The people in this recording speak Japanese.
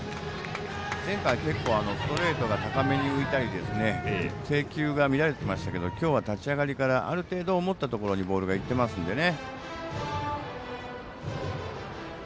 前回は結構ストレートが高めに浮いたりですとか制球が乱れていましたけど今日は立ち上がりからある程度、思ったところにボールがいってますのでね。